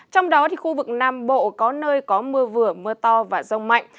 trong đó khu vực nam bộ có nơi có mưa vừa mưa to và rông mạnh